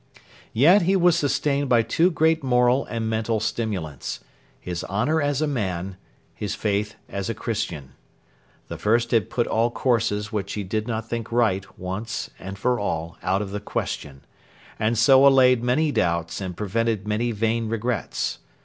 Yet he was sustained by two great moral and mental stimulants: his honour as a man, his faith as a Christian. The first had put all courses which he did not think right once and for all out of the question, and so allayed many doubts and prevented many vain regrets.